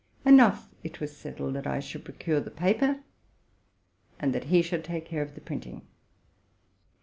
In short, it was settled that I should procure the paper, and that he should take care of the printing.